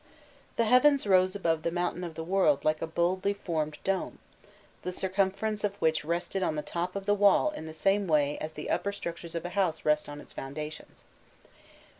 The heavens rose above the "mountain of the world" like a boldly formed dome, the circumference of which rested on the top of the wall in the same way as the upper structures of a house rest on its foundations.